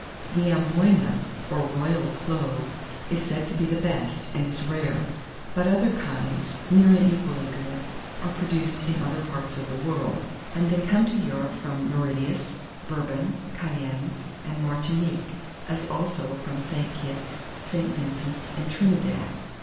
The Amboyna, or royal clove, is said to be the best, and is rare; but other kinds, nearly equally good, are produced in other parts of the world, and they come to Europe from Mauritius, Bourbon, Cayenne, and Martinique, as also from St. Kitts, St. Vincent's, and Trinidad.